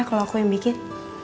kalau aku yang bikin